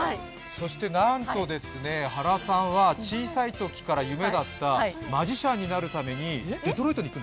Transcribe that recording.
そしてなんと原さんは小さいときから夢だったマジシャンになるためにデトロイトへ？